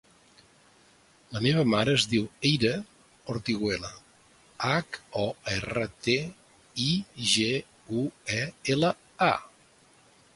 La meva mare es diu Eira Hortiguela: hac, o, erra, te, i, ge, u, e, ela, a.